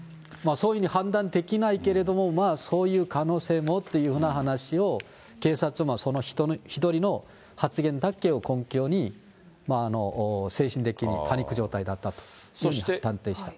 そういうふうに判断できないけれども、まあそういう可能性もというような話を、警察もその１人の発言だけを根拠に、精神的パニック状態だったと判定した。